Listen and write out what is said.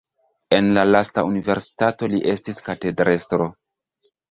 En la lasta universitato li estis katedrestro.